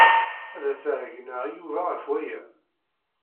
Ad as-ɛeyyneɣ i Yuba ɣef waya.